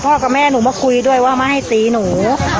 กับแม่หนูมาคุยด้วยว่ามาให้ตีหนู